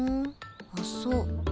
あっそう。